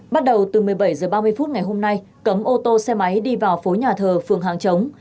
bắt đầu từ một mươi bảy h ba mươi phút ngày hôm nay cấm ô tô xe máy đi vào phố nhà thờ phường hàng chống